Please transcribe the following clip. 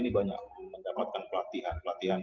ini banyak mendapatkan pelatihan pelatihan